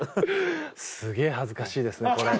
すげぇ恥ずかしいですねこれ。